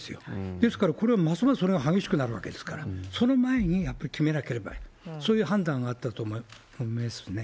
ですから、これはますます激しくなるわけですから、その前に、やっぱり決めなければ、そういう判断はあったと思いますね。